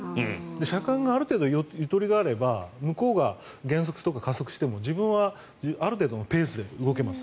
車間がある程度、ゆとりがあれば向こうが減速とか加速しても自分はある程度のペースで動けます。